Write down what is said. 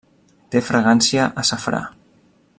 Té fragància a safrà.